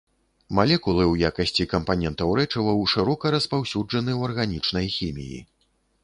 Малекулы ў якасці кампанентаў рэчываў шырока распаўсюджаны ў арганічнай хіміі.